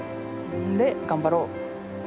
で頑張ろう。